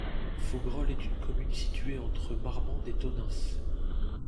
Fauguerolles est une commune située entre Marmande et Tonneins.